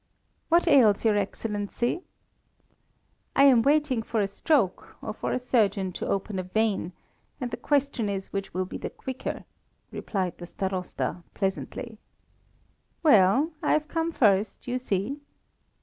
"What ails your Excellency?" "I am waiting for a stroke or for a surgeon to open a vein, and the question is which will be the quicker," replied the Starosta, pleasantly. "Well, I've come first, you see."